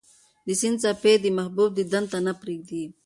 د سیند څپې د محبوب دیدن ته نه پرېږدي.